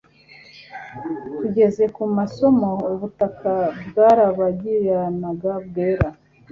tugeze ku masomo, ubutaka bwarabagiranaga bwera